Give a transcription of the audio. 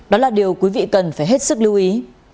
đó là điều quý vị cần phải hết sức lưu ý